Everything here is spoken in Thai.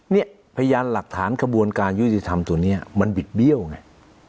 เนี่ยพยานหลักฐานกระบวนการยุติธรรมตัวนี้มันบิดเบี้ยวไง